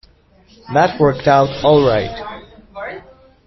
That worked out all right.